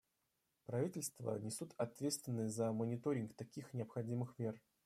Правительства несут ответственность за мониторинг таких необходимых мер.